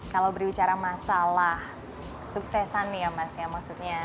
kalau berbicara masalah kesuksesan ya mas ya maksudnya